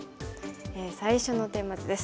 最初のテーマ図です。